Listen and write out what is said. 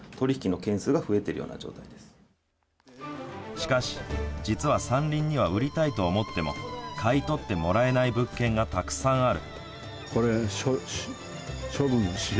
しかし、実は山林には売りたいと思っても買い取ってもらえない物件がたくさんある。